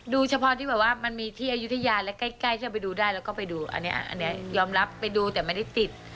เฉพาะที่แบบว่ามันมีที่อายุทยาและใกล้เชื่อไปดูได้แล้วก็ไปดูอันนี้ยอมรับไปดูแต่ไม่ได้ติด